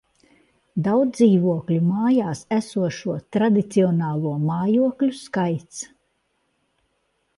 Daudzdzīvokļu mājās esošo tradicionālo mājokļu skaits